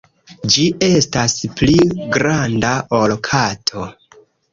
Ĝi estas pli granda ol kato.